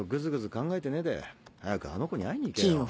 考えてねえで早くあの子に会いに行けよ。